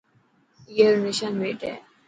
اي رو نشان بيٽ هي.